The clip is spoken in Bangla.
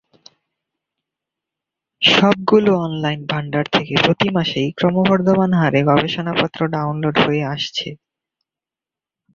সবগুলো অনলাইন ভান্ডার থেকে প্রতি মাসেই ক্রমবর্ধমান হারে গবেষণাপত্র ডাউনলোড হয়ে আসছে।